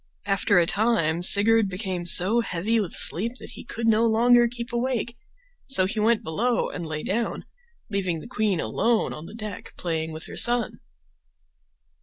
After a time Sigurd became so heavy with sleep that he could no longer keep awake, so he went below and lay down, leaving the queen alone on the deck playing with her son.